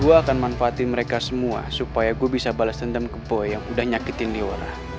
gue akan manfaatin mereka semua supaya gue bisa bales dendam ke boy yang udah nyakitin leora